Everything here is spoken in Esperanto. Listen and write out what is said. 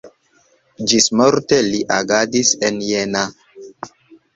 Ĝismorte li agadis en Jena.